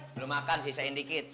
belum makan sih sein dikit